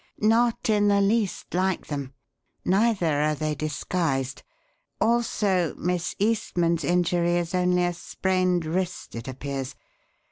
Not in the least like them, neither are they disguised. Also, Miss Eastman's injury is only a sprained wrist, it appears.